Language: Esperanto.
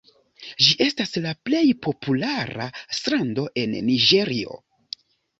Ĝi estas la plej populara strando en Niĝerio.